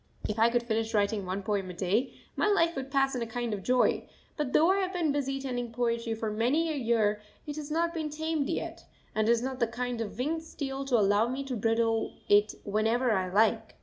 If I could finish writing one poem a day, my life would pass in a kind of joy; but though I have been busy tending poetry for many a year it has not been tamed yet, and is not the kind of winged steed to allow me to bridle it whenever I like!